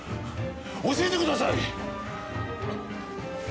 教えてください！